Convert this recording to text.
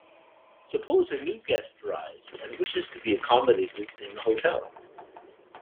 Suppose a new guest arrives and wishes to be accommodated in the hotel.